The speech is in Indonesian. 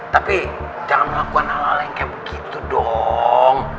tapi jangan melakukan hal hal yang kayak begitu dong